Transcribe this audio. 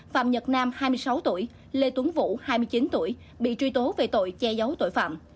phạm nhật nam hai mươi sáu tuổi lê tuấn vũ hai mươi chín tuổi bị truy tố về tội che giấu tội phạm